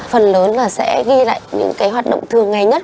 phần lớn là sẽ ghi lại những cái hoạt động thường ngày nhất